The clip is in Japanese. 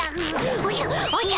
おじゃおじゃ！